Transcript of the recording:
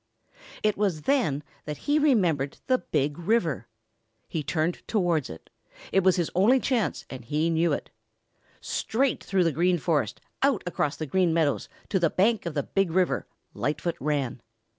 It was then that he remembered the Big River. He turned towards it. It was his only chance and he knew it. Straight through the Green Forest, out across the Green Meadows to the bank of the Big River, Lightfoot ran.